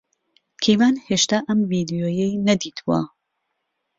کەیوان ھێشتا ئەم ڤیدیۆیەی نەدیتووە.